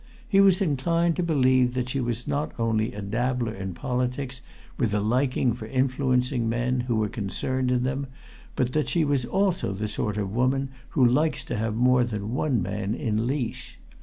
He was inclined to believe that she was not only a dabbler in politics with a liking for influencing men who were concerned in them but that she was also the sort of woman who likes to have more than one man in leash.